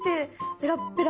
ペラッペラ。